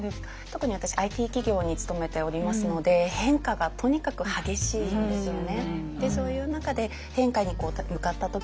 特に私ＩＴ企業に勤めておりますので変化がとにかく激しいんですよね。